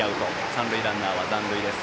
三塁ランナーは残塁です。